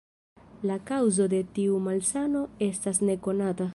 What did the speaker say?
La kaŭzo de tiu malsano estas nekonata.